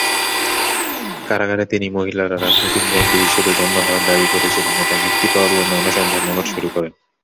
কারাগারে তিনি মহিলারা রাজনৈতিক বন্দী হিসাবে গণ্য হওয়ার দাবি করেছিলেন এবং মুক্তি পাওয়ার জন্য অনশন ধর্মঘট শুরু করেন।